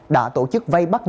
đã tổ chức vây bắt nhân